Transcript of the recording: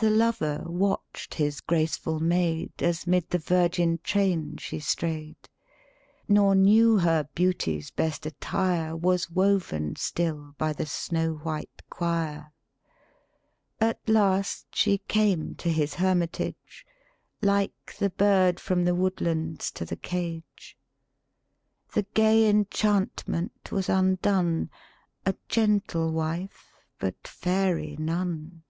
The lover watched his graceful maid, As 'mid the virgin train she strayed, Nor knew her beauty's best attire Was woven still by the snow white choir. At last she came to his hermitage, Like the bird from the woodlands to the cage ; The gay enchantment was undone, A gentle wife, but fairy none.